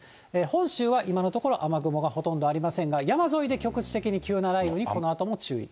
本州は今のところ、雨雲がほとんどありませんが、山沿いで局地的に急な雷雨に、このあとも注意。